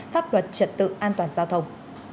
pháp luật trật tự an toàn giao thông